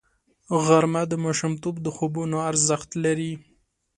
غرمه د ماشومتوب د خوبونو ارزښت لري